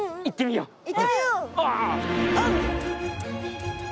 いってみよう！